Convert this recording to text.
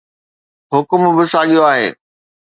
حڪم به ساڳيو آهي.